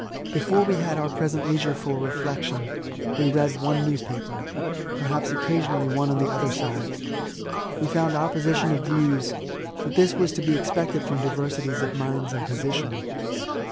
Before we had our present leisure for reflection, we read one newspaper, — ^perhaps occasionally one on the other side. We found opposition of views ; but this was to be expected from diversities, of minds and position.